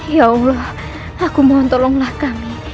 ya allah aku mohon tolonglah kami